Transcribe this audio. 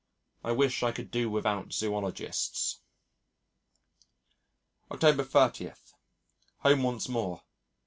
I wish I could do without Zoologists.... October 30. Home once more.